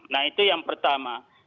nah itu yang pertama